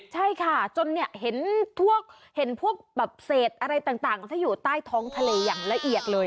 ใช่ค่ะจนเนี่ยเห็นพวกแบบเศษอะไรต่างที่อยู่ใต้ท้องทะเลอย่างละเอียดเลย